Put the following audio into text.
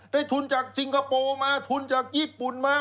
ทุนจากสิงคโปร์มาทุนจากญี่ปุ่นมา